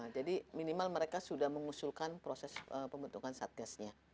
jadi minimal mereka sudah mengusulkan proses pembentukan satgasnya